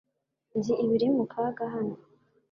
Nzi ibiri mu kaga hano .